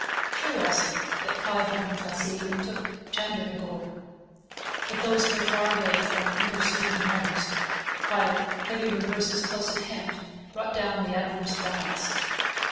True, also, that Clive won Plassey and took Chandernagore. But those were far away from English speaking homes; while heavy reverses close at hand brought down the adverse balance.